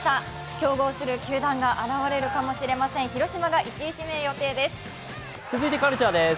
競合する球団が現れるかもしれません、広島が１位指名を明言しています。